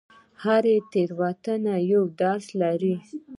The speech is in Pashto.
هره تېروتنه یو درس لري.